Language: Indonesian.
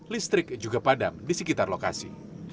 listrik juga padam di sekitar lokasi